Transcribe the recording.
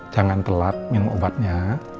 jangan telat minum obatnya